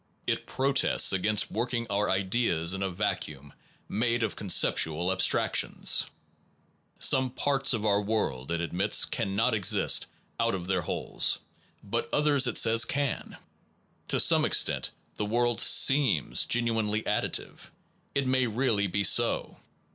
It protests against work ing our ideas in a vacuum made of conceptual abstractions. Some parts of our world, it ad mits, cannot exist out of their wholes; but The piu others, it says, can. To some extent ralistic theory the world seems genuinely additive: it may really be so.